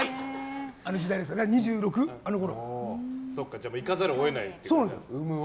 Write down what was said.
じゃあ行かざるを得ないと。